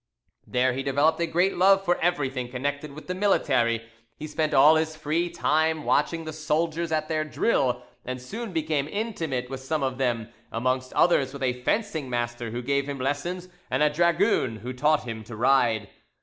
There he developed a great love for everything connected with the military; he spent all his free time watching the soldiers at their drill, and soon became intimate with some of them, amongst others with a fencing master who gave him lessons, and a dragoon who taught him to ride.